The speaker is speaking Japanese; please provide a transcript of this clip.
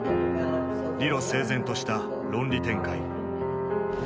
理路整然とした論理展開。